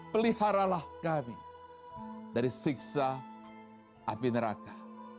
pelihara lah kami dari siksa api neraka